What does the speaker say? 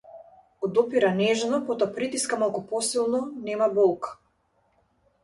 Го допира нежно, потоа притиска малку посилно, нема болка.